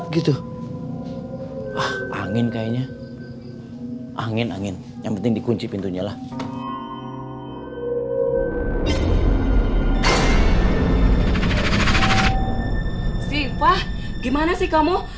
kita ini datang ke sini tuh bukan mau beli boneka lho pak tapi saya tuh